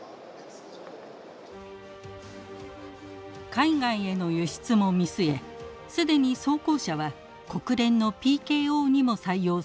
海外への輸出も見据え既に装甲車は国連のＰＫＯにも採用されています。